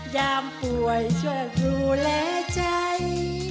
ยามป่วยช่วยดูแลใจ